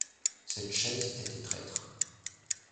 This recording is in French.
Cette chaise était traître.